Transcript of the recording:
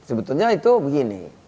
sebetulnya itu begini